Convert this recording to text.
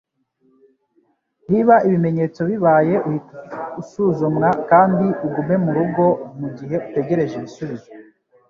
Niba ibimenyetso bibaye uhite usuzumwa kandi ugume murugo mugihe utegereje ibisubizo.